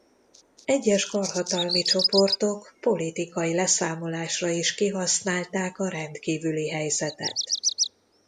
Egyes karhatalmi csoportok politikai leszámolásra is kihasználták a rendkívüli helyzetet.